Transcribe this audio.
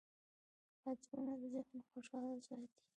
عطرونه د ذهن خوشحاله ساتي.